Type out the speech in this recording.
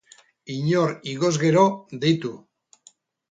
Inor igoz gero, deitu.